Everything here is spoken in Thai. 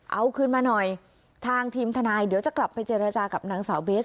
เอาคืนมาหน่อยทางทีมทนายเดี๋ยวจะกลับไปเจรจากับนางสาวเบส